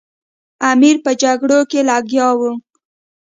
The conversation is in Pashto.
امیر په جګړو کې لګیا وو.